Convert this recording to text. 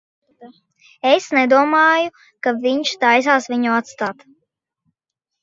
Es nedomāju, ka viņš taisās viņu atstāt.